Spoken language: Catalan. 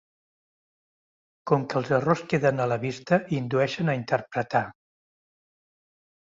Com que els errors queden a la vista, indueixen a interpretar.